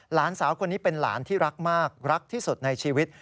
หลานสาวคนนี้เป็นหลานที่รักมากรักที่สุดในชีวิต